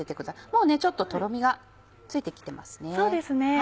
もうちょっととろみがついて来てますね。